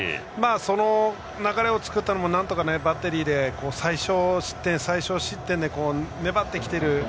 その流れを作ったのもバッテリーで最少失点で粘ってきている。